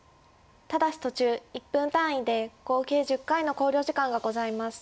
ただし途中１分単位で合計１０回の考慮時間がございます。